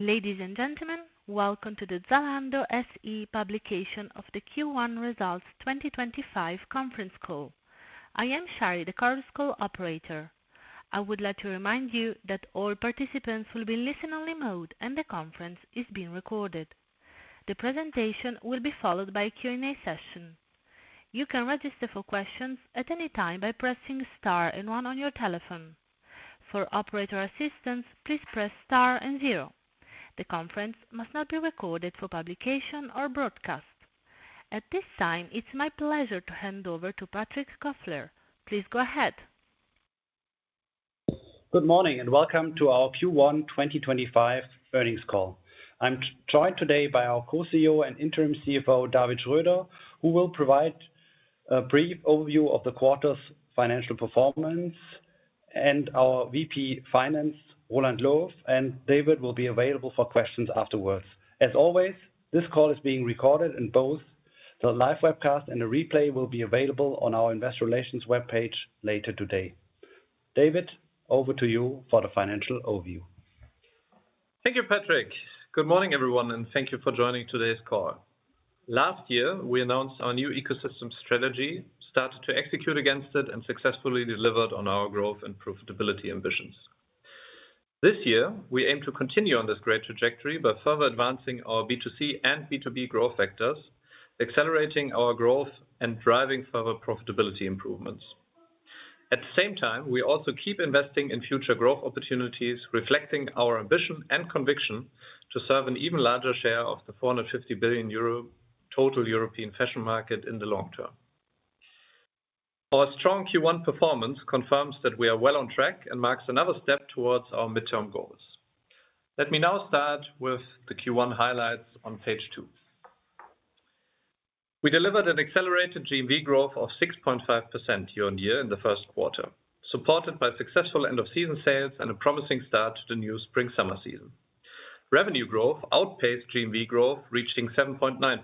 Ladies and gentlemen, welcome to the Zalando SE publication of the Q1 Results 2025 conference call. I am Shari, the call's call operator. I would like to remind you that all participants will be in listen-only mode and the conference is being recorded. The presentation will be followed by a Q&A session. You can register for questions at any time by pressing star and one on your telephone. For operator assistance, please press star and zero. The conference must not be recorded for publication or broadcast. At this time, it's my pleasure to hand over to Patrick Kofler. Please go ahead. Good morning and welcome to our Q1 2025 earnings call. I'm joined today by our Co-CEO and interim CFO, David Schröder, who will provide a brief overview of the quarter's financial performance, and our VP Finance, Roeland Loof, and David will be available for questions afterwards. As always, this call is being recorded and both the live webcast and the replay will be available on our Investor Relations webpage later today. David, over to you for the financial overview. Thank you, Patrick. Good morning, everyone, and thank you for joining today's call. Last year, we announced our new ecosystem strategy, started to execute against it, and successfully delivered on our growth and profitability ambitions. This year, we aim to continue on this great trajectory by further advancing our B2C and B2B growth factors, accelerating our growth and driving further profitability improvements. At the same time, we also keep investing in future growth opportunities, reflecting our ambition and conviction to serve an even larger share of the 450 billion euro total European fashion market in the long term. Our strong Q1 performance confirms that we are well on track and marks another step towards our midterm goals. Let me now start with the Q1 highlights on page two. We delivered an accelerated GMV growth of 6.5% year-on-year in the first quarter, supported by successful end-of-season sales and a promising start to the new spring-summer season. Revenue growth outpaced GMV growth, reaching 7.9%.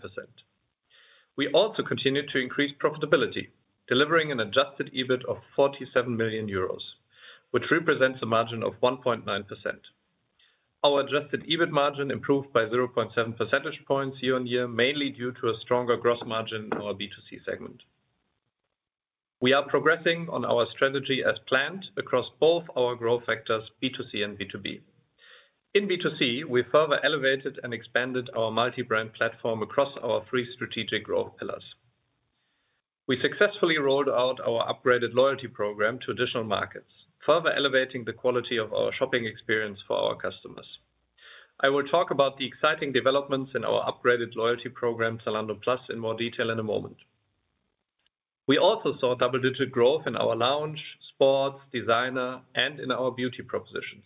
We also continued to increase profitability, delivering an adjusted EBIT of 47 million euros, which represents a margin of 1.9%. Our adjusted EBIT margin improved by 0.7 percentage points year-on-year, mainly due to a stronger gross margin in our B2C segment. We are progressing on our strategy as planned across both our growth factors, B2C and B2B. In B2C, we further elevated and expanded our multi-brand platform across our three strategic growth pillars. We successfully rolled out our upgraded loyalty program to additional markets, further elevating the quality of our shopping experience for our customers. I will talk about the exciting developments in our upgraded loyalty program, Zalando Plus, in more detail in a moment. We also saw double-digit growth in our Lounge, Sports, Designer, and in our Beauty propositions.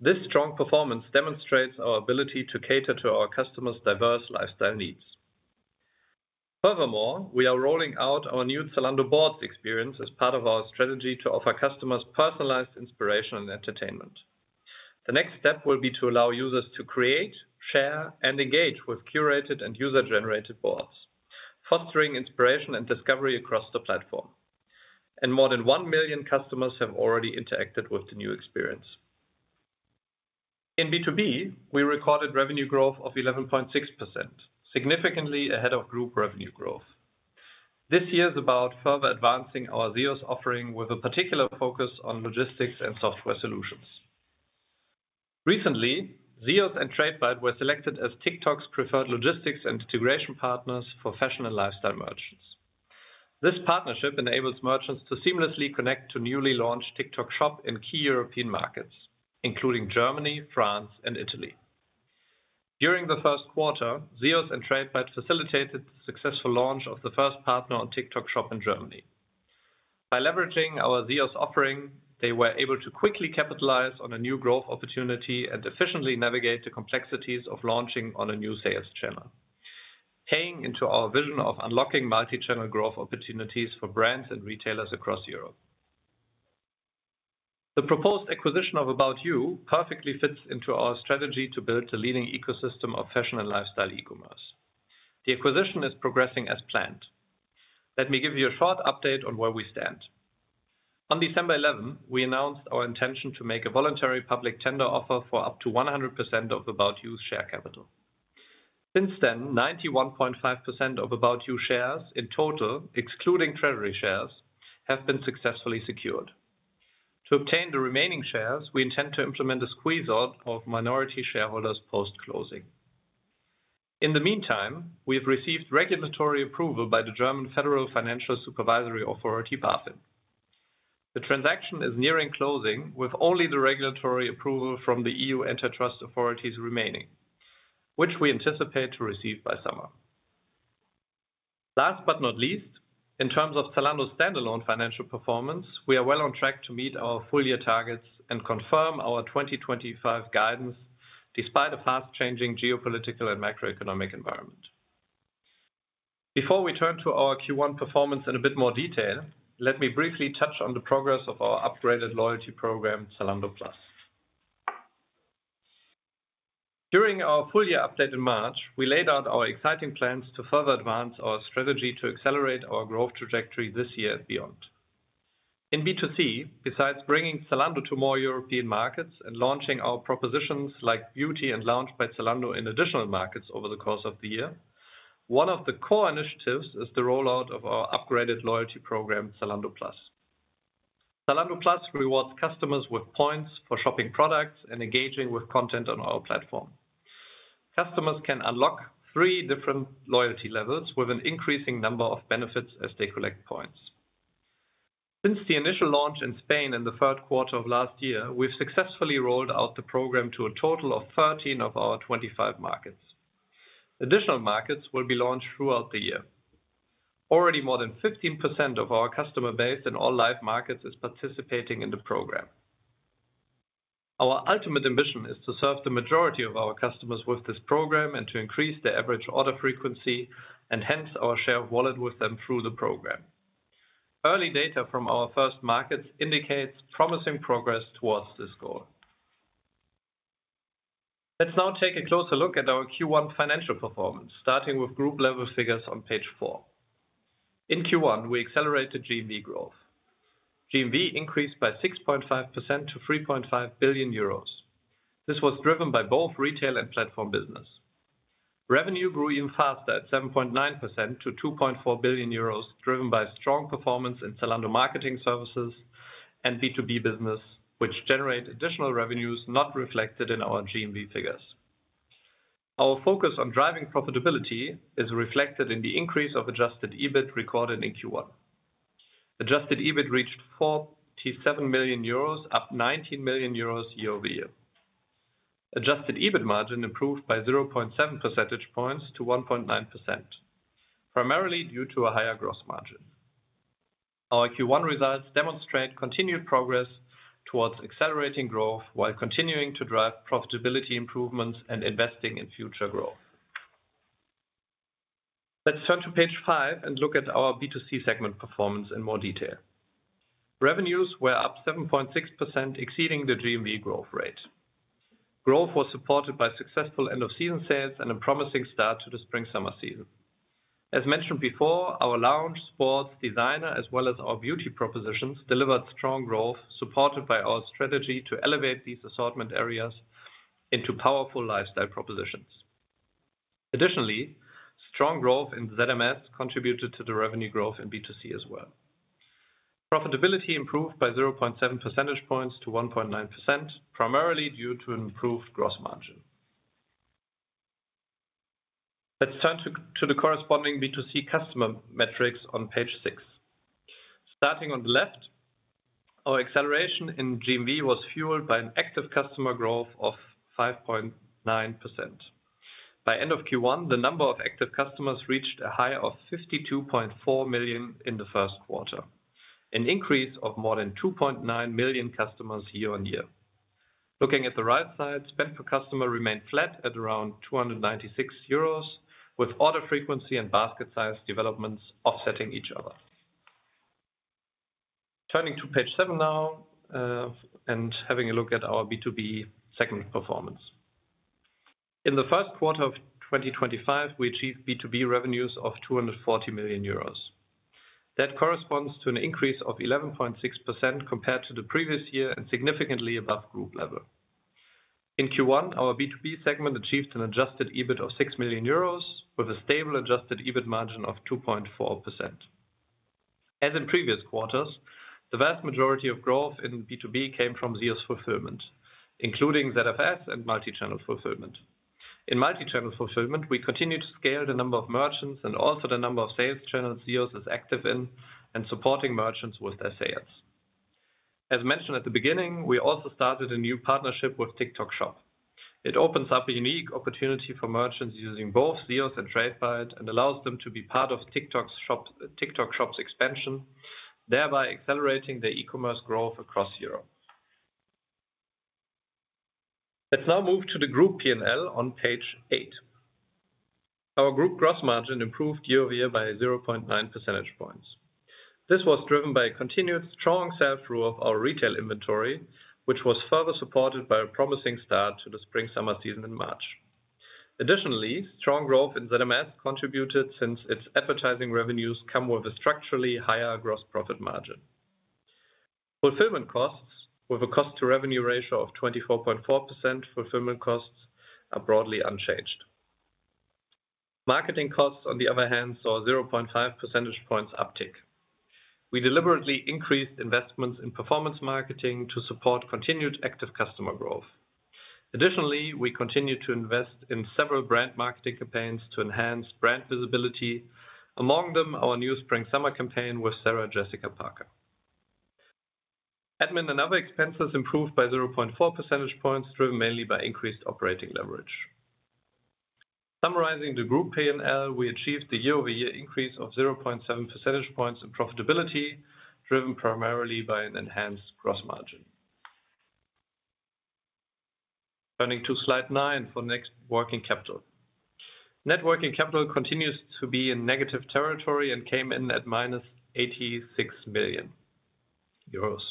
This strong performance demonstrates our ability to cater to our customers' diverse lifestyle needs. Furthermore, we are rolling out our new Zalando Boards experience as part of our strategy to offer customers personalized inspiration and entertainment. The next step will be to allow users to create, share, and engage with curated and user-generated boards, fostering inspiration and discovery across the platform. More than one million customers have already interacted with the new experience. In B2B, we recorded revenue growth of 11.6%, significantly ahead of group revenue growth. This year is about further advancing our ZEOS offering with a particular focus on logistics and software solutions. Recently, ZEOS and Tradebyte were selected as TikTok's preferred logistics and integration partners for fashion and lifestyle merchants. This partnership enables merchants to seamlessly connect to newly launched TikTok Shop in key European markets, including Germany, France, and Italy. During the first quarter, ZEOS and Tradebyte facilitated the successful launch of the first partner on TikTok Shop in Germany. By leveraging our ZEOS offering, they were able to quickly capitalize on a new growth opportunity and efficiently navigate the complexities of launching on a new sales channel, paying into our vision of unlocking multi-channel growth opportunities for brands and retailers across Europe. The proposed acquisition of About You perfectly fits into our strategy to build the leading ecosystem of fashion and lifestyle e-commerce. The acquisition is progressing as planned. Let me give you a short update on where we stand. On December 11, we announced our intention to make a voluntary public tender offer for up to 100% of About You's share capital. Since then, 91.5% of About You shares in total, excluding treasury shares, have been successfully secured. To obtain the remaining shares, we intend to implement a squeeze-out of minority shareholders post-closing. In the meantime, we have received regulatory approval by the German Federal Financial Supervisory Authority, BaFin. The transaction is nearing closing, with only the regulatory approval from the EU antitrust authorities remaining, which we anticipate to receive by summer. Last but not least, in terms of Zalando's standalone financial performance, we are well on track to meet our full-year targets and confirm our 2025 guidance despite a fast-changing geopolitical and macroeconomic environment. Before we turn to our Q1 performance in a bit more detail, let me briefly touch on the progress of our upgraded loyalty program, Zalando Plus. During our full-year update in March, we laid out our exciting plans to further advance our strategy to accelerate our growth trajectory this year and beyond. In B2C, besides bringing Zalando to more European markets and launching our propositions like Beauty and Lounge by Zalando in additional markets over the course of the year, one of the core initiatives is the rollout of our upgraded loyalty program, Zalando Plus. Zalando Plus rewards customers with points for shopping products and engaging with content on our platform. Customers can unlock three different loyalty levels with an increasing number of benefits as they collect points. Since the initial launch in Spain in the third quarter of last year, we've successfully rolled out the program to a total of 13 of our 25 markets. Additional markets will be launched throughout the year. Already, more than 15% of our customer base in all live markets is participating in the program. Our ultimate ambition is to serve the majority of our customers with this program and to increase their average order frequency and hence our share of wallet with them through the program. Early data from our first markets indicates promising progress towards this goal. Let's now take a closer look at our Q1 financial performance, starting with group-level figures on page four. In Q1, we accelerated GMV growth. GMV increased by 6.5% to 3.5 billion euros. This was driven by both retail and platform business. Revenue grew even faster at 7.9% to 2.4 billion euros, driven by strong performance in Zalando Marketing Services and B2B business, which generate additional revenues not reflected in our GMV figures. Our focus on driving profitability is reflected in the increase of adjusted EBIT recorded in Q1. Adjusted EBIT reached 47 million euros, up 19 million euros year over year. Adjusted EBIT margin improved by 0.7 percentage points to 1.9%, primarily due to a higher gross margin. Our Q1 results demonstrate continued progress towards accelerating growth while continuing to drive profitability improvements and investing in future growth. Let's turn to page five and look at our B2C segment performance in more detail. Revenues were up 7.6%, exceeding the GMV growth rate. Growth was supported by successful end-of-season sales and a promising start to the spring-summer season. As mentioned before, our Lounge, Sports, Designer, as well as our Beauty propositions delivered strong growth, supported by our strategy to elevate these assortment areas into powerful lifestyle propositions. Additionally, strong growth in ZMS contributed to the revenue growth in B2C as well. Profitability improved by 0.7 percentage points to 1.9%, primarily due to improved gross margin. Let's turn to the corresponding B2C customer metrics on page six. Starting on the left, our acceleration in GMV was fueled by an active customer growth of 5.9%. By end of Q1, the number of active customers reached a high of 52.4 million in the first quarter, an increase of more than 2.9 million customers year-on-year. Looking at the right side, spend per customer remained flat at around 296 euros, with order frequency and basket size developments offsetting each other. Turning to page seven now and having a look at our B2B segment performance. In the first quarter of 2025, we achieved B2B revenues of 240 million euros. That corresponds to an increase of 11.6% compared to the previous year and significantly above group level. In Q1, our B2B segment achieved an adjusted EBIT of 6 million euros, with a stable adjusted EBIT margin of 2.4%. As in previous quarters, the vast majority of growth in B2B came from ZEOS fulfillment, including ZFS and multi-channel fulfillment. In multi-channel fulfillment, we continued to scale the number of merchants and also the number of sales channels ZEOS is active in and supporting merchants with their sales. As mentioned at the beginning, we also started a new partnership with TikTok Shop. It opens up a unique opportunity for merchants using both ZEOS and Tradebyte and allows them to be part of TikTok Shop's expansion, thereby accelerating their e-commerce growth across Europe. Let's now move to the group P&L on page eight. Our group gross margin improved year over year by 0.9 percentage points. This was driven by a continued strong sales growth of our retail inventory, which was further supported by a promising start to the spring-summer season in March. Additionally, strong growth in ZMS contributed since its advertising revenues come with a structurally higher gross profit margin. Fulfillment costs, with a cost-to-revenue ratio of 24.4%, are broadly unchanged. Marketing costs, on the other hand, saw a 0.5 percentage points uptick. We deliberately increased investments in performance marketing to support continued active customer growth. Additionally, we continued to invest in several brand marketing campaigns to enhance brand visibility, among them our new spring-summer campaign with Sarah Jessica Parker. Admin and other expenses improved by 0.4 percentage points, driven mainly by increased operating leverage. Summarizing the group P&L, we achieved a year-over-year increase of 0.7 percentage points in profitability, driven primarily by an enhanced gross margin. Turning to slide nine for net working capital. Net working capital continues to be in negative territory and came in at -86 million euros.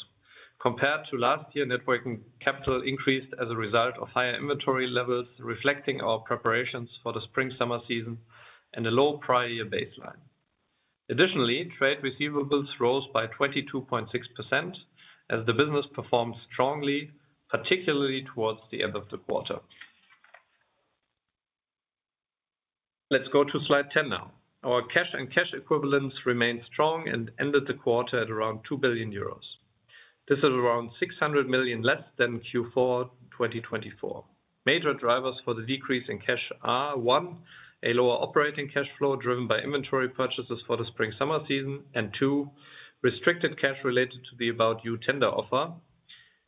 Compared to last year, net working capital increased as a result of higher inventory levels, reflecting our preparations for the spring-summer season and a low prior-year baseline. Additionally, trade receivables rose by 22.6% as the business performed strongly, particularly towards the end of the quarter. Let's go to slide 10 now. Our cash and cash equivalents remained strong and ended the quarter at around 2 billion euros. This is around 600 million less than Q4 2024. Major drivers for the decrease in cash are, one, a lower operating cash flow driven by inventory purchases for the spring-summer season, and two, restricted cash related to the About You tender offer.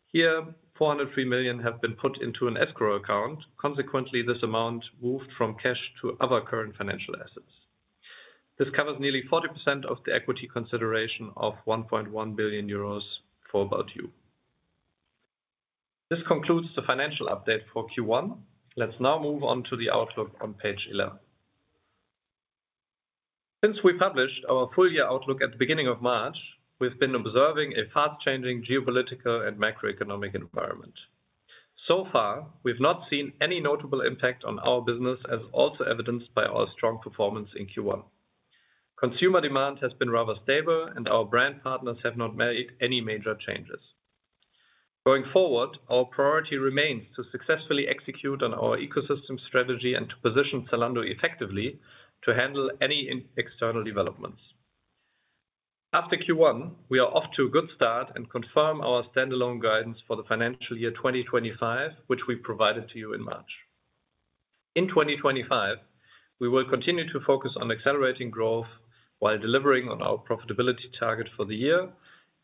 Here, 403 million have been put into an escrow account. Consequently, this amount moved from cash to other current financial assets. This covers nearly 40% of the equity consideration of 1.1 billion euros for About You. This concludes the financial update for Q1. Let's now move on to the outlook on page 11. Since we published our full-year outlook at the beginning of March, we've been observing a fast-changing geopolitical and macroeconomic environment. So far, we've not seen any notable impact on our business, as also evidenced by our strong performance in Q1. Consumer demand has been rather stable, and our brand partners have not made any major changes. Going forward, our priority remains to successfully execute on our ecosystem strategy and to position Zalando effectively to handle any external developments. After Q1, we are off to a good start and confirm our standalone guidance for the financial year 2025, which we provided to you in March. In 2025, we will continue to focus on accelerating growth while delivering on our profitability target for the year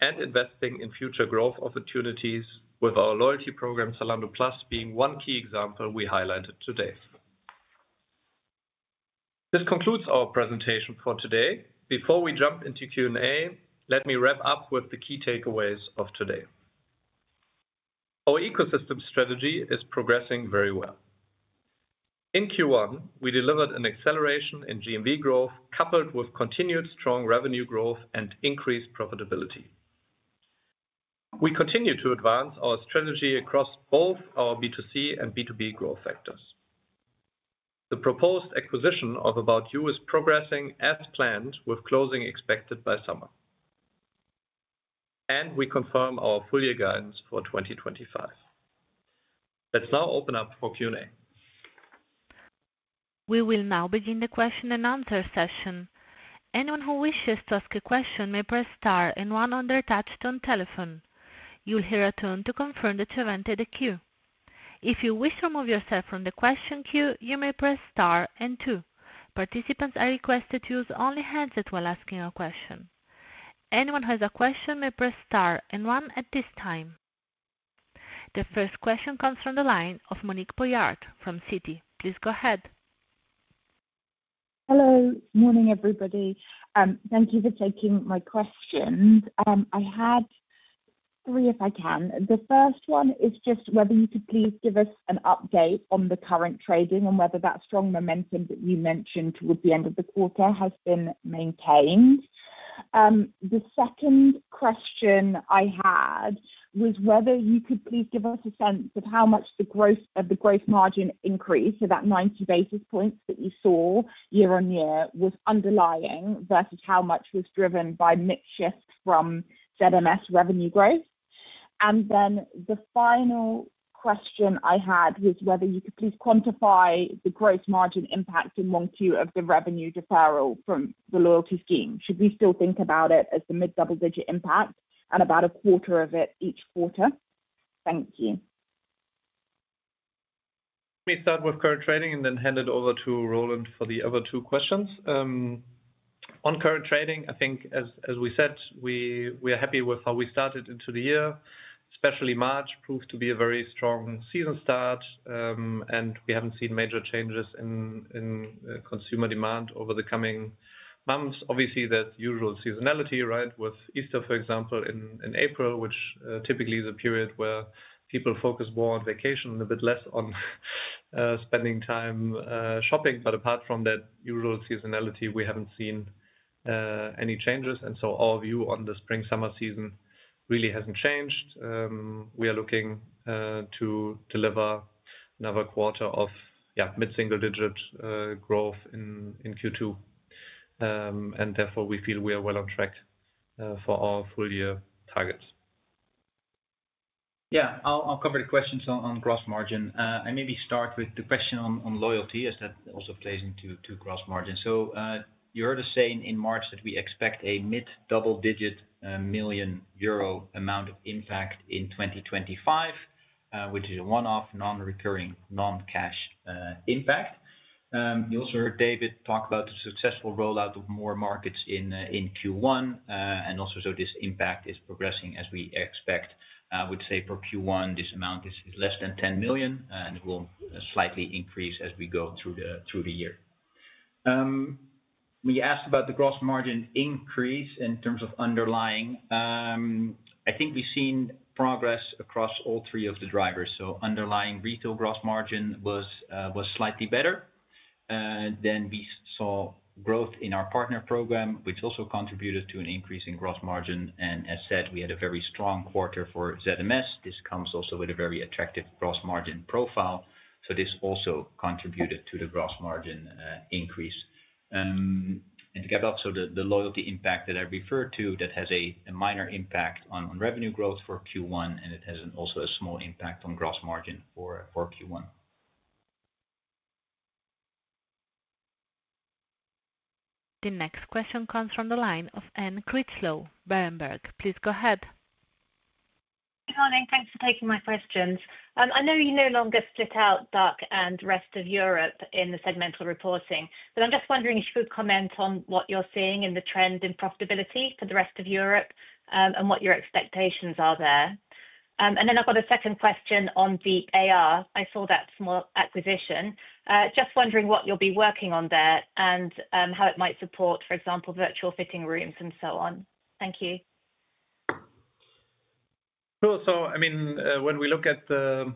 and investing in future growth opportunities, with our loyalty program, Zalando Plus, being one key example we highlighted today. This concludes our presentation for today. Before we jump into Q&A, let me wrap up with the key takeaways of today. Our ecosystem strategy is progressing very well. In Q1, we delivered an acceleration in GMV growth, coupled with continued strong revenue growth and increased profitability. We continue to advance our strategy across both our B2C and B2B growth factors. The proposed acquisition of About You is progressing as planned, with closing expected by summer. We confirm our full-year guidance for 2025. Let's now open up for Q&A. We will now begin the question-and-answer session. Anyone who wishes to ask a question may press star and one on their touchstone telephone. You'll hear a tone to confirm that you've entered a queue. If you wish to remove yourself from the question queue, you may press star and two. Participants are requested to use only hands while asking a question. Anyone who has a question may press star and one at this time. The first question comes from the line of Monique Pollard from Citi. Please go ahead. Hello. Good morning, everybody. Thank you for taking my questions. I had three, if I can. The first one is just whether you could please give us an update on the current trading and whether that strong momentum that you mentioned towards the end of the quarter has been maintained. The second question I had was whether you could please give us a sense of how much the gross margin increase, so that 90 basis points that you saw year-on-year, was underlying versus how much was driven by mix shifts from ZMS revenue growth. And then the final question I had was whether you could please quantify the gross margin impact in Q1 of the revenue deferral from the loyalty scheme. Should we still think about it as the mid-double-digit impact and about a quarter of it each quarter? Thank you. Let me start with current trading and then hand it over to Roeland for the other two questions. On current trading, I think, as we said, we are happy with how we started into the year. Especially March proved to be a very strong season start, and we have not seen major changes in consumer demand over the coming months. Obviously, that usual seasonality, right, with Easter, for example, in April, which typically is a period where people focus more on vacation and a bit less on spending time shopping. Apart from that usual seasonality, we have not seen any changes. Our view on the spring-summer season really has not changed. We are looking to deliver another quarter of, yeah, mid-single-digit growth in Q2. Therefore, we feel we are well on track for our full-year targets. Yeah, I will cover the questions on gross margin. I maybe start with the question on loyalty, as that also plays into gross margin. You heard us say in March that we expect a mid-double-digit million EUR amount of impact in 2025, which is a one-off, non-recurring, non-cash impact. You also heard David talk about the successful rollout of more markets in Q1, and also this impact is progressing as we expect. I would say for Q1, this amount is less than 10 million, and it will slightly increase as we go through the year. When you asked about the gross margin increase in terms of underlying, I think we have seen progress across all three of the drivers. Underlying retail gross margin was slightly better. We saw growth in our partner program, which also contributed to an increase in gross margin. As said, we had a very strong quarter for ZMS. This comes also with a very attractive gross margin profile. This also contributed to the gross margin increase. To get back to the loyalty impact that I referred to, that has a minor impact on revenue growth for Q1, and it has also a small impact on gross margin for Q1. The next question comes from the line of Anne Critchlow, Berenberg. Please go ahead. Good morning. Thanks for taking my questions. I know you no longer split out DACH and the rest of Europe in the segmental reporting, but I'm just wondering if you could comment on what you're seeing in the trend in profitability for the rest of Europe and what your expectations are there. I have a second question on the AR. I saw that small acquisition. Just wondering what you'll be working on there and how it might support, for example, virtual fitting rooms and so on. Thank you. Sure. I mean, when we look at the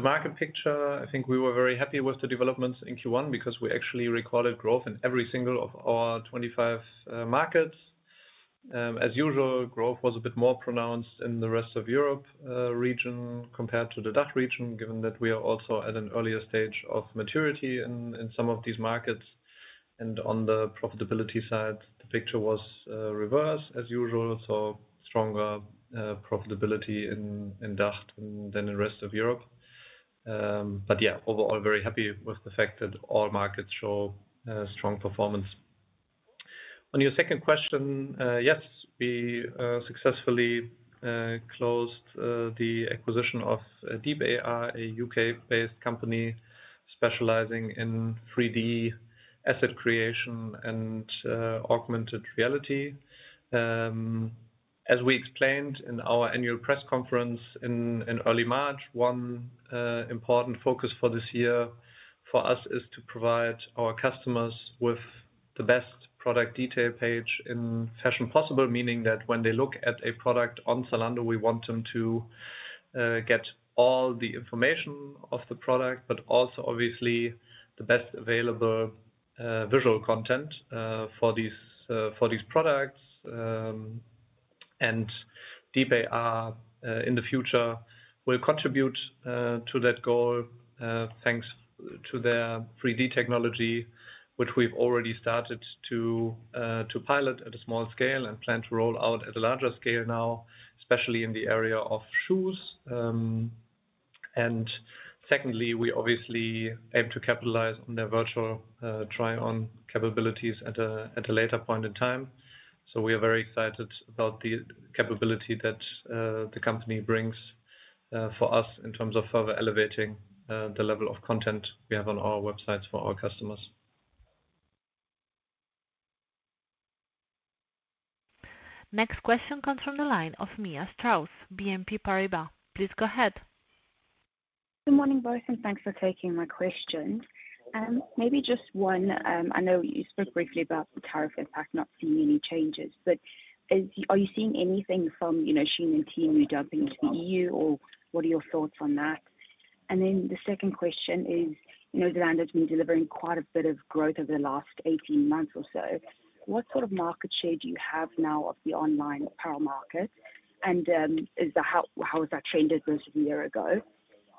market picture, I think we were very happy with the developments in Q1 because we actually recorded growth in every single one of our 25 markets. As usual, growth was a bit more pronounced in the rest of the Europe region compared to the Dukk region, given that we are also at an earlier stage of maturity in some of these markets. On the profitability side, the picture was reversed, as usual. Stronger profitability in Dukk than in the rest of Europe. Yeah, overall, very happy with the fact that all markets show strong performance. On your second question, yes, we successfully closed the acquisition of DeepAR, a U.K.-based company specializing in 3D asset creation and augmented reality. As we explained in our annual press conference in early March, one important focus for this year for us is to provide our customers with the best product detail page in fashion possible, meaning that when they look at a product on Zalando, we want them to get all the information of the product, but also, obviously, the best available visual content for these products. DeepAR, in the future, will contribute to that goal thanks to their 3D technology, which we've already started to pilot at a small scale and plan to roll out at a larger scale now, especially in the area of shoes. Secondly, we obviously aim to capitalize on their virtual try-on capabilities at a later point in time. We are very excited about the capability that the company brings for us in terms of further elevating the level of content we have on our websites for our customers. Next question comes from the line of Mia Strauss, BNP Paribas. Please go ahead. Good morning, both, and thanks for taking my question. Maybe just one. I know you spoke briefly about the tariff impact, not seeing any changes, but are you seeing anything from Shein and Temu jumping into the EU, or what are your thoughts on that? The second question is, Zalando has been delivering quite a bit of growth over the last 18 months or so. What sort of market share do you have now of the online apparel market? How has that trended versus a year ago?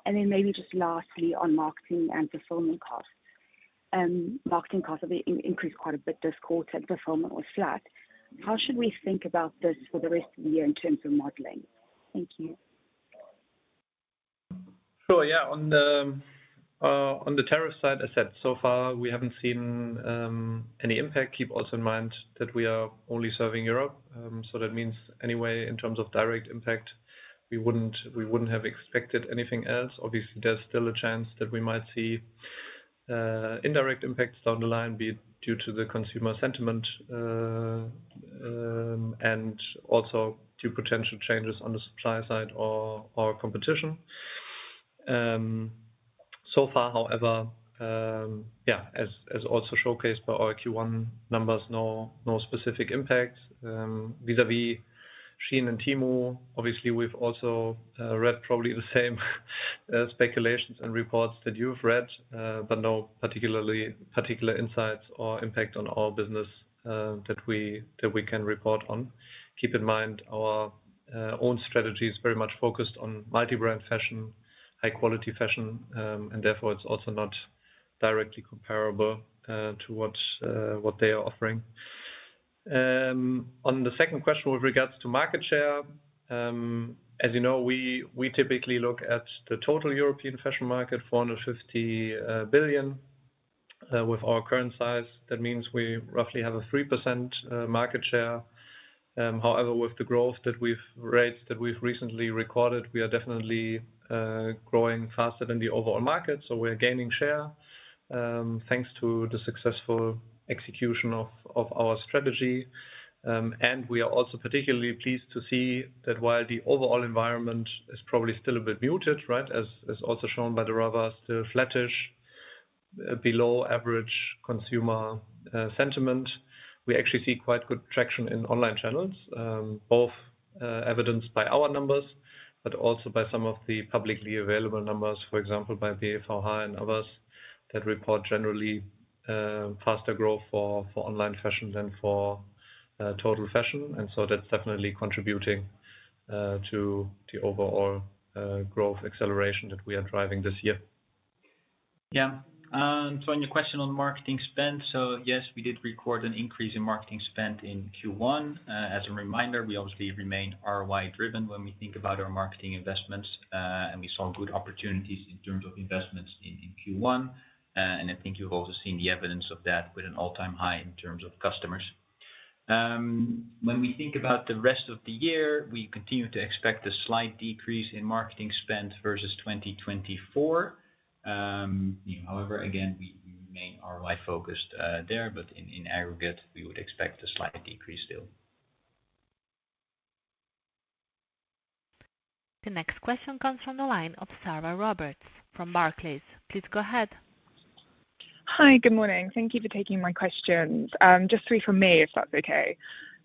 Maybe just lastly, on marketing and fulfillment costs. Marketing costs have increased quite a bit this quarter, and fulfillment was flat. How should we think about this for the rest of the year in terms of modeling? Thank you. Sure. Yeah. On the tariff side, as said, so far, we haven't seen any impact. Keep also in mind that we are only serving Europe. That means anyway, in terms of direct impact, we wouldn't have expected anything else. Obviously, there is still a chance that we might see indirect impacts down the line, be it due to the consumer sentiment and also due to potential changes on the supply side or competition. So far, however, yeah, as also showcased by our Q1 numbers, no specific impacts. Vis-à-vis Shein and Temu, obviously, we've also read probably the same speculations and reports that you've read, but no particular insights or impact on our business that we can report on. Keep in mind our own strategy is very much focused on multi-brand fashion, high-quality fashion, and therefore, it's also not directly comparable to what they are offering. On the second question with regards to market share, as you know, we typically look at the total European fashion market, 450 billion. With our current size, that means we roughly have a 3% market share. However, with the growth rates that we've recently recorded, we are definitely growing faster than the overall market. We are gaining share thanks to the successful execution of our strategy. We are also particularly pleased to see that while the overall environment is probably still a bit muted, right, as also shown by the rather still flattish, below average consumer sentiment, we actually see quite good traction in online channels, both evidenced by our numbers, but also by some of the publicly available numbers, for example, by BHF and others that report generally faster growth for online fashion than for total fashion. That is definitely contributing to the overall growth acceleration that we are driving this year. Yeah. On your question on marketing spend, yes, we did record an increase in marketing spend in Q1. As a reminder, we obviously remain ROI-driven when we think about our marketing investments, and we saw good opportunities in terms of investments in Q1. I think you have also seen the evidence of that with an all-time high in terms of customers. When we think about the rest of the year, we continue to expect a slight decrease in marketing spend versus 2024. However, again, we remain ROI-focused there, but in aggregate, we would expect a slight decrease still. The next question comes from the line of Sarah Roberts from Barclays. Please go ahead. Hi. Good morning. Thank you for taking my questions. Just three from me, if that is okay.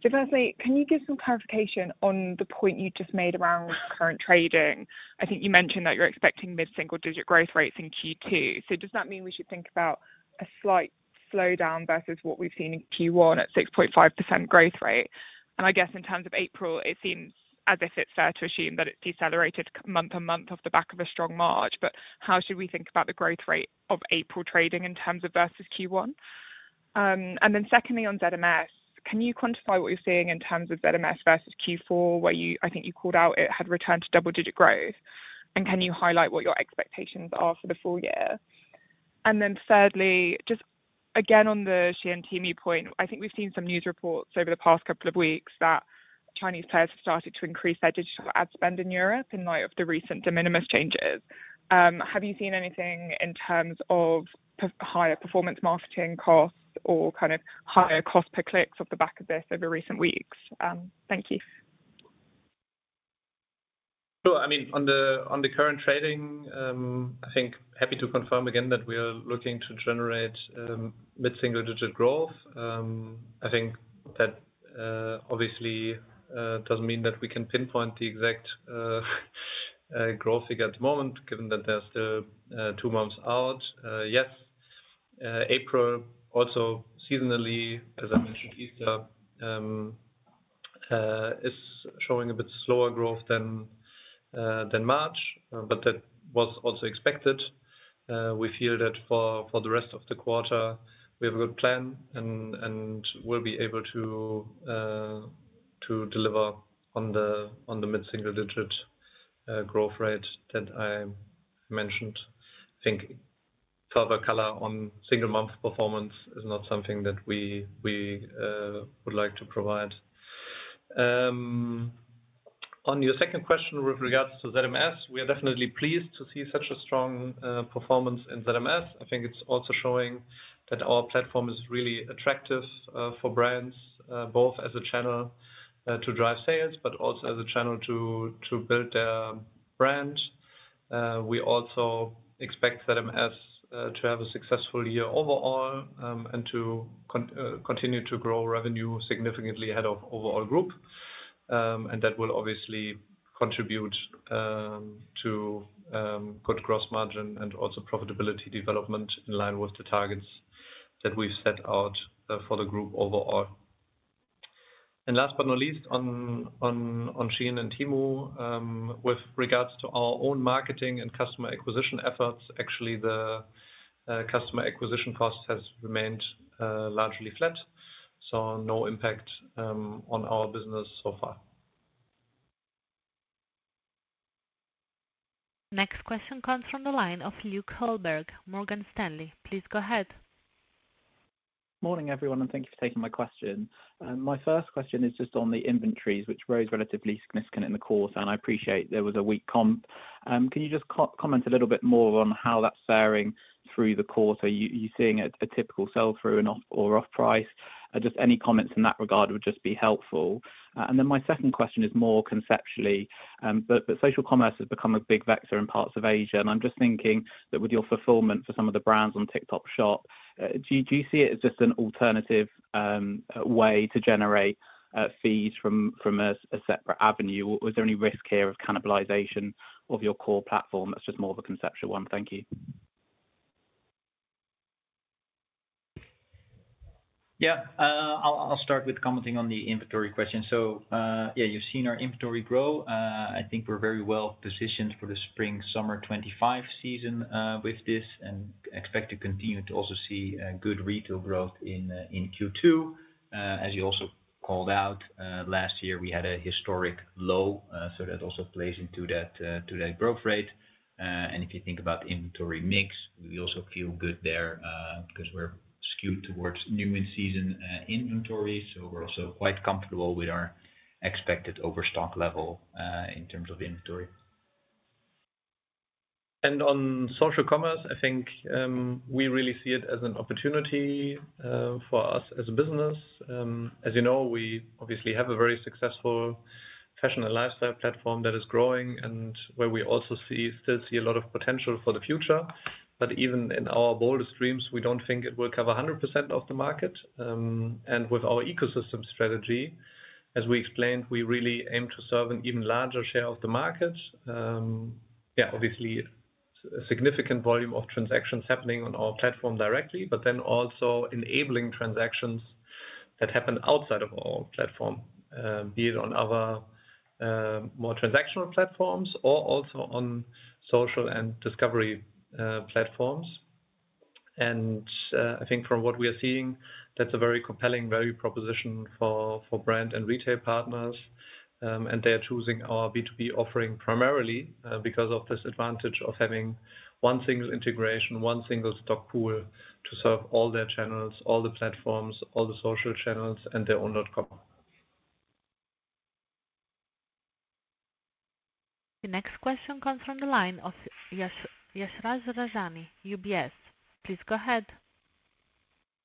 Firstly, can you give some clarification on the point you just made around current trading? I think you mentioned that you are expecting mid-single-digit growth rates in Q2. Does that mean we should think about a slight slowdown versus what we have seen in Q1 at 6.5% growth rate? I guess in terms of April, it seems as if it's fair to assume that it's decelerated month on month off the back of a strong March. How should we think about the growth rate of April trading in terms of versus Q1? Secondly, on ZMS, can you quantify what you're seeing in terms of ZMS versus Q4, where I think you called out it had returned to double-digit growth? Can you highlight what your expectations are for the full year? Thirdly, just again on the Shein and Temu point, I think we've seen some news reports over the past couple of weeks that Chinese players have started to increase their digital ad spend in Europe in light of the recent de minimis changes. Have you seen anything in terms of higher performance marketing costs or kind of higher cost per clicks off the back of this over recent weeks? Thank you. Sure. I mean, on the current trading, I think happy to confirm again that we are looking to generate mid-single-digit growth. I think that obviously does not mean that we can pinpoint the exact growth figure at the moment, given that there are still two months out. Yes, April also seasonally, as I mentioned, Easter is showing a bit slower growth than March, but that was also expected. We feel that for the rest of the quarter, we have a good plan and will be able to deliver on the mid-single-digit growth rate that I mentioned. I think further color on single-month performance is not something that we would like to provide. On your second question with regards to ZMS, we are definitely pleased to see such a strong performance in ZMS. I think it's also showing that our platform is really attractive for brands, both as a channel to drive sales, but also as a channel to build their brand. We also expect ZMS to have a successful year overall and to continue to grow revenue significantly ahead of overall group. That will obviously contribute to good gross margin and also profitability development in line with the targets that we've set out for the group overall. Last but not least, on Shein and Temu, with regards to our own marketing and customer acquisition efforts, actually the customer acquisition cost has remained largely flat. No impact on our business so far. Next question comes from the line of Luke Holbrook, Morgan Stanley. Please go ahead. Morning, everyone, and thank you for taking my question. My first question is just on the inventories, which rose relatively significant in the course, and I appreciate there was a weak comp. Can you just comment a little bit more on how that's faring through the course? Are you seeing a typical sell-through or off-price? Just any comments in that regard would just be helpful. My second question is more conceptually. Social commerce has become a big vector in parts of Asia, and I'm just thinking that with your fulfillment for some of the brands on TikTok Shop, do you see it as just an alternative way to generate fees from a separate avenue? Is there any risk here of cannibalization of your core platform? That's just more of a conceptual one. Thank you. Yeah. I'll start with commenting on the inventory question. Yeah, you've seen our inventory grow. I think we're very well positioned for the spring-summer 2025 season with this and expect to continue to also see good retail growth in Q2. As you also called out, last year, we had a historic low, so that also plays into that growth rate. If you think about inventory mix, we also feel good there because we're skewed towards new-in-season inventory. We're also quite comfortable with our expected overstock level in terms of inventory. On social commerce, I think we really see it as an opportunity for us as a business. As you know, we obviously have a very successful fashion and lifestyle platform that is growing and where we also still see a lot of potential for the future. Even in our boldest dreams, we don't think it will cover 100% of the market. With our ecosystem strategy, as we explained, we really aim to serve an even larger share of the market. Obviously, a significant volume of transactions happening on our platform directly, but then also enabling transactions that happen outside of our platform, be it on other more transactional platforms or also on social and discovery platforms. I think from what we are seeing, that is a very compelling value proposition for brand and retail partners. They are choosing our B2B offering primarily because of this advantage of having one single integration, one single stock pool to serve all their channels, all the platforms, all the social channels, and their own dot-com. The next question comes from the line of Yashraj Rajani, UBS. Please go ahead.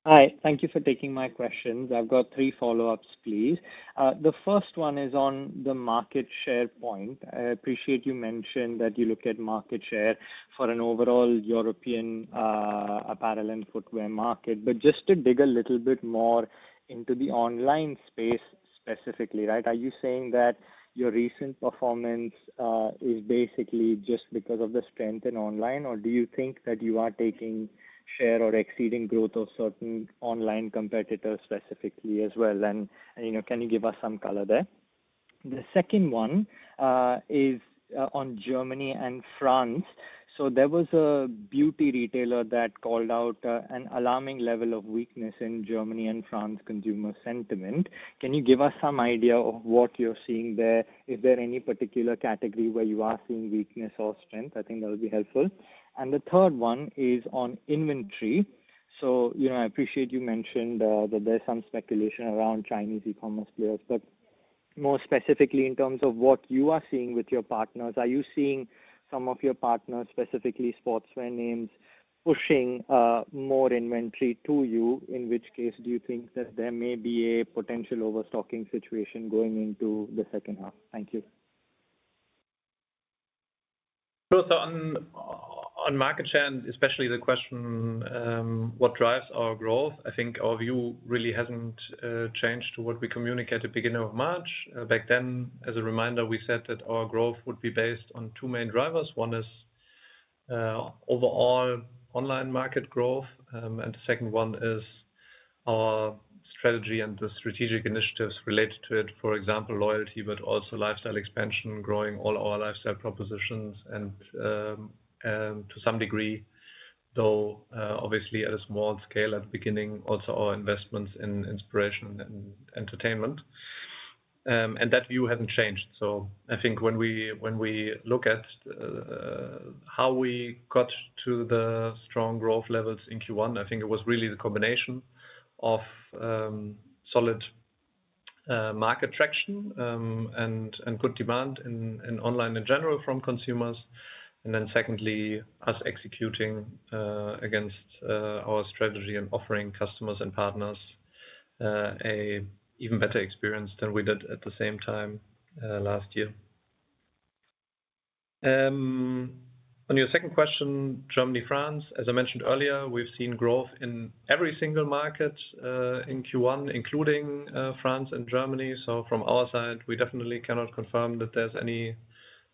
Hi. Thank you for taking my questions. I have got three follow-ups, please. The first one is on the market share point. I appreciate you mentioned that you look at market share for an overall European apparel and footwear market. Just to dig a little bit more into the online space specifically, right, are you saying that your recent performance is basically just because of the strength in online, or do you think that you are taking share or exceeding growth of certain online competitors specifically as well? Can you give us some color there? The second one is on Germany and France. There was a beauty retailer that called out an alarming level of weakness in Germany and France consumer sentiment. Can you give us some idea of what you are seeing there? Is there any particular category where you are seeing weakness or strength? I think that would be helpful. The third one is on inventory. I appreciate you mentioned that there's some speculation around Chinese e-commerce players, but more specifically in terms of what you are seeing with your partners. Are you seeing some of your partners, specifically sportswear names, pushing more inventory to you? In which case, do you think that there may be a potential overstocking situation going into the second half? Thank you. On market share, and especially the question, what drives our growth, I think our view really hasn't changed to what we communicated at the beginning of March. Back then, as a reminder, we said that our growth would be based on two main drivers. One is overall online market growth, and the second one is our strategy and the strategic initiatives related to it, for example, loyalty, but also lifestyle expansion, growing all our lifestyle propositions and to some degree, though obviously at a small scale at the beginning, also our investments in inspiration and entertainment. That view has not changed. I think when we look at how we got to the strong growth levels in Q1, I think it was really the combination of solid market traction and good demand in online in general from consumers. Secondly, us executing against our strategy and offering customers and partners an even better experience than we did at the same time last year. On your second question, Germany, France, as I mentioned earlier, we have seen growth in every single market in Q1, including France and Germany. From our side, we definitely cannot confirm that there is any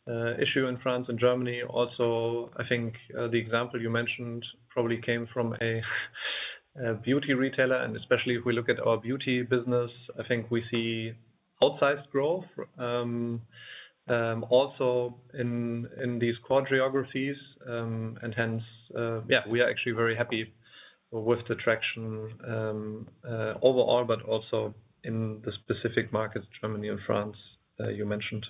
issue in France and Germany. Also, I think the example you mentioned probably came from a beauty retailer, and especially if we look at our Beauty business, I think we see outsized growth also in these core geographies. Hence, we are actually very happy with the traction overall, but also in the specific markets, Germany and France you mentioned.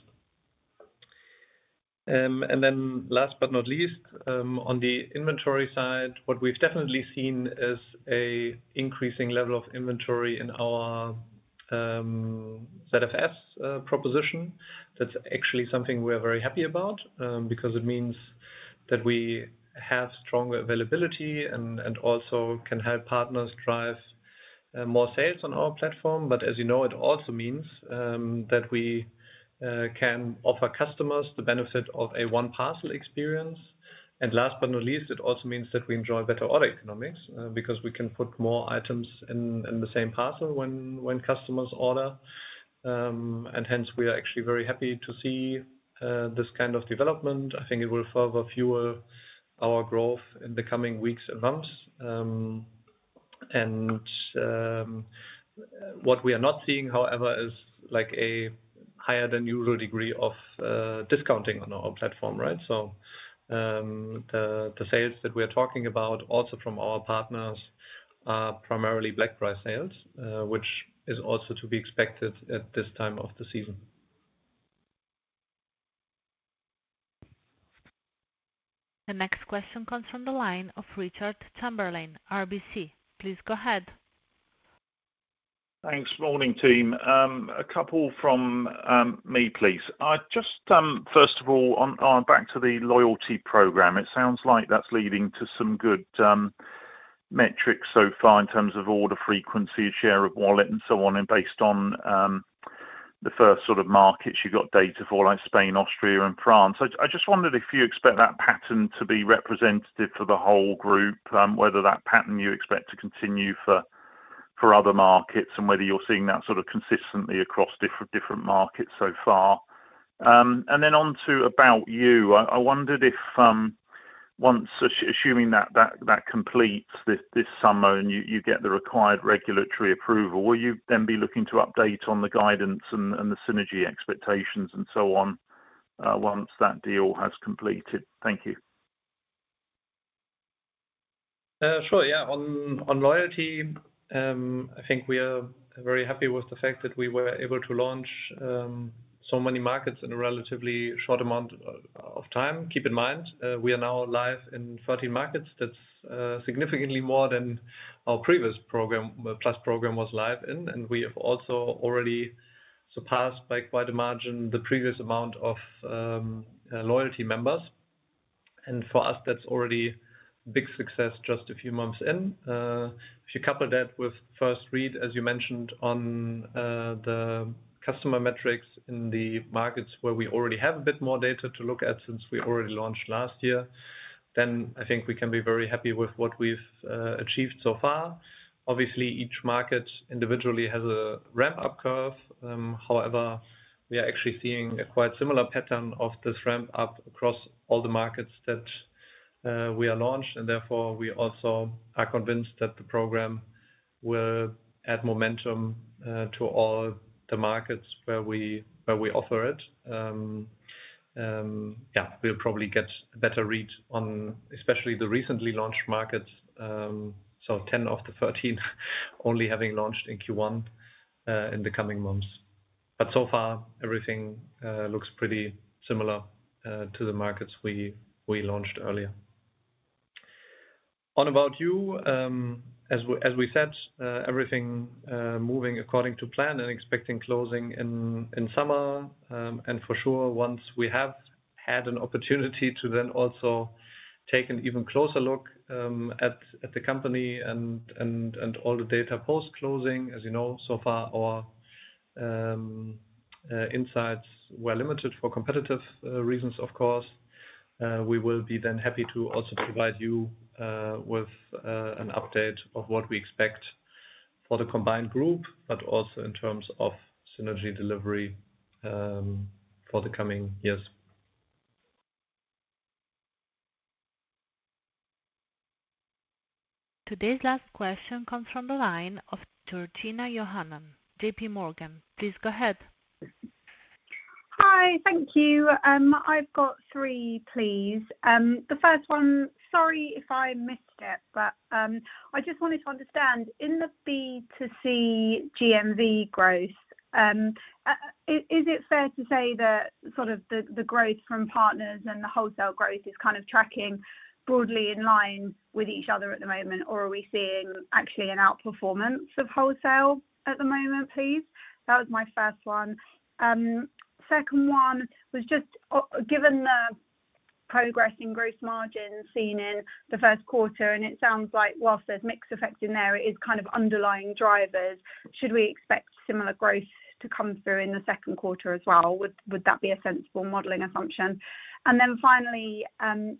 Last but not least, on the inventory side, what we have definitely seen is an increasing level of inventory in our ZFS proposition. That is actually something we are very happy about because it means that we have stronger availability and also can help partners drive more sales on our platform. As you know, it also means that we can offer customers the benefit of a one-parcel experience. Last but not least, it also means that we enjoy better order economics because we can put more items in the same parcel when customers order. Hence, we are actually very happy to see this kind of development. I think it will further fuel our growth in the coming weeks and months. What we are not seeing, however, is a higher than usual degree of discounting on our platform, right? The sales that we are talking about, also from our partners, are primarily black price sales, which is also to be expected at this time of the season. The next question comes from the line of Richard Chamberlain, RBC. Please go ahead. Thanks. Morning, team. A couple from me, please. Just first of all, back to the loyalty program. It sounds like that's leading to some good metrics so far in terms of order frequency, share of wallet, and so on, and based on the first sort of markets you've got data for like Spain, Austria, and France. I just wondered if you expect that pattern to be representative for the whole group, whether that pattern you expect to continue for other markets and whether you're seeing that sort of consistently across different markets so far. Then on to About You, I wondered if once assuming that completes this summer and you get the required regulatory approval, will you then be looking to update on the guidance and the synergy expectations and so on once that deal has completed? Thank you. Sure. Yeah. On loyalty, I think we are very happy with the fact that we were able to launch so many markets in a relatively short amount of time. Keep in mind, we are now live in 13 markets. That is significantly more than our previous Plus program was live in. We have also already surpassed by quite a margin the previous amount of loyalty members. For us, that is already a big success just a few months in. If you couple that with first read, as you mentioned, on the customer metrics in the markets where we already have a bit more data to look at since we already launched last year, I think we can be very happy with what we have achieved so far. Obviously, each market individually has a ramp-up curve. However, we are actually seeing a quite similar pattern of this ramp-up across all the markets that we are launched. Therefore, we also are convinced that the program will add momentum to all the markets where we offer it. Yeah, we'll probably get a better read on especially the recently launched markets, so 10 of the 13 only having launched in Q1 in the coming months. So far, everything looks pretty similar to the markets we launched earlier. On About You, as we said, everything moving according to plan and expecting closing in summer. For sure, once we have had an opportunity to then also take an even closer look at the company and all the data post-closing, as you know, so far, our insights were limited for competitive reasons, of course. We will be then happy to also provide you with an update of what we expect for the combined group, but also in terms of synergy delivery for the coming years. Today's last question comes from the line of Georgina Johanan, JPMorgan. Please go ahead. Hi. Thank you. I've got three, please. The first one, sorry if I missed it, but I just wanted to understand in the B2C GMV growth, is it fair to say that sort of the growth from partners and the wholesale growth is kind of tracking broadly in line with each other at the moment, or are we seeing actually an outperformance of wholesale at the moment, please? That was my first one. Second one was just given the progress in gross margins seen in the first quarter, and it sounds like whilst there's mixed effects in there, it is kind of underlying drivers. Should we expect similar growth to come through in the second quarter as well? Would that be a sensible modeling assumption? Finally,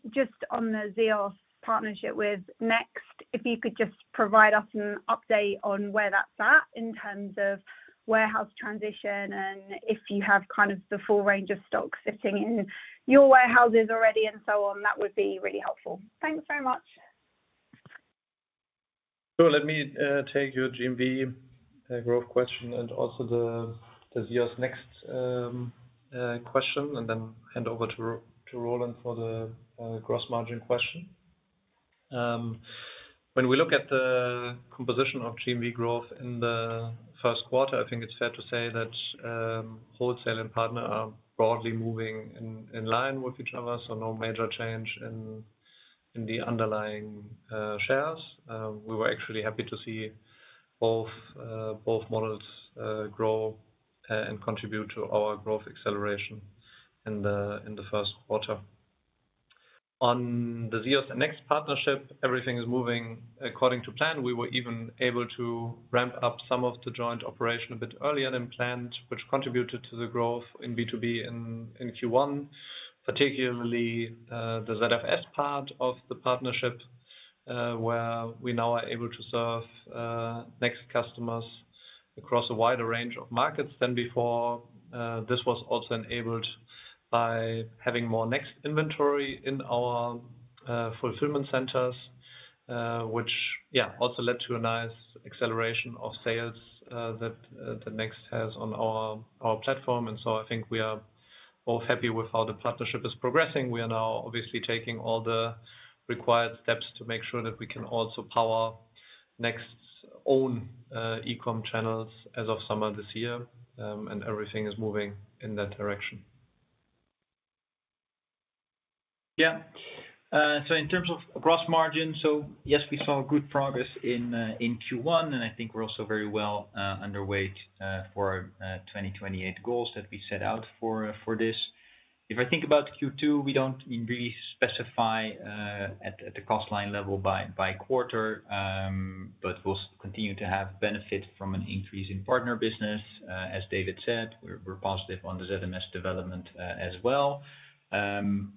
just on the ZEOS partnership with Next, if you could just provide us an update on where that's at in terms of warehouse transition and if you have kind of the full range of stocks sitting in your warehouses already and so on, that would be really helpful. Thanks very much. Sure. Let me take your GMV growth question and also the ZEOS Next question, and then hand over to Roeland for the gross margin question. When we look at the composition of GMV growth in the first quarter, I think it's fair to say that wholesale and partner are broadly moving in line with each other, so no major change in the underlying shares. We were actually happy to see both models grow and contribute to our growth acceleration in the first quarter. On the ZEOS and Next partnership, everything is moving according to plan. We were even able to ramp up some of the joint operation a bit earlier than planned, which contributed to the growth in B2B in Q1, particularly the ZFS part of the partnership where we now are able to serve Next customers across a wider range of markets than before. This was also enabled by having more Next inventory in our fulfillment centers, which, yeah, also led to a nice acceleration of sales that Next has on our platform. I think we are both happy with how the partnership is progressing. We are now obviously taking all the required steps to make sure that we can also power Next's own e-com channels as of summer this year, and everything is moving in that direction. Yeah. In terms of gross margin, yes, we saw good progress in Q1, and I think we're also very well underway for our 2028 goals that we set out for this. If I think about Q2, we do not really specify at the cost line level by quarter, but we will continue to have benefit from an increase in partner business. As David said, we are positive on the ZMS development as well. We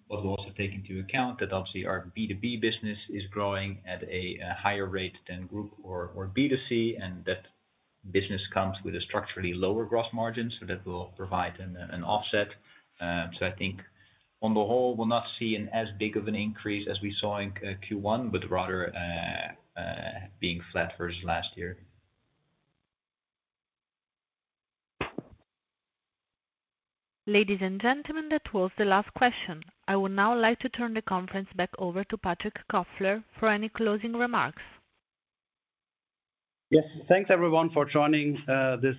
will also take into account that obviously our B2B business is growing at a higher rate than group or B2C, and that business comes with a structurally lower gross margin, so that will provide an offset. I think on the whole, we'll not see as big of an increase as we saw in Q1, but rather being flat versus last year. Ladies and gentlemen, that was the last question. I would now like to turn the conference back over to Patrick Kofler for any closing remarks. Yes. Thanks, everyone, for joining this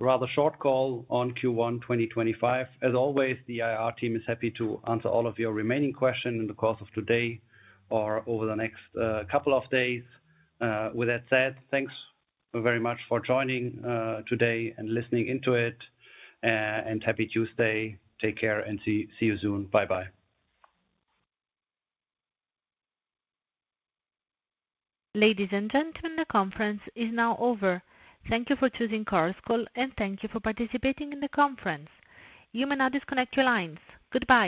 rather short call on Q1 2025. As always, the IR team is happy to answer all of your remaining questions in the course of today or over the next couple of days. With that said, thanks very much for joining today and listening into it, and happy Tuesday. Take care and see you soon. Bye-bye. Ladies and gentlemen, the conference is now over. Thank you for choosing Chorus Call, and thank you for participating in the conference. You may now disconnect your lines. Goodbye.